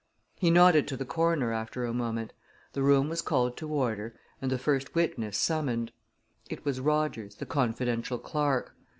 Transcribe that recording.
He nodded to the coroner after a moment, the room was called to order, and the first witness summoned. It was Rogers, the confidential clerk.